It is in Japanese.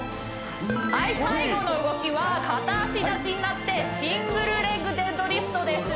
はい最後の動きは片脚立ちになってシングルレッグデッドリフトです